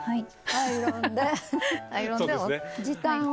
アイロンで時短を。